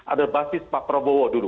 ada basis pak prabowo dulu